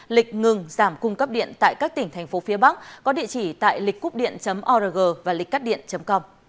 lịch ngừng giảm cung cấp điện tại các tỉnh thành phố phía bắc có địa chỉ tại lịchcúpdiện org và lịchcắtdiện com